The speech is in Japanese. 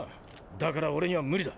だから俺には無理だ。